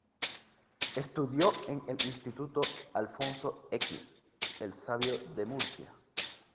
Estudió en el Instituto Alfonso X El Sabio de Murcia.